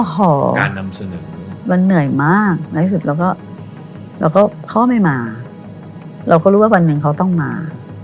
หมายถึงเราก็เขาไม่มาเราก็รู้ว่าวันหนึ่งเขาต้องมา